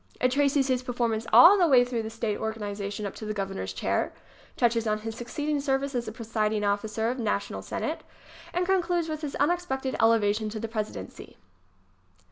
It traces his performance all the way through the state organization up to the Governor's chair, touches on his succeeding service as presiding officer of the National Senate ŌĆö and concludes with his unex pected elevation to the Presidency.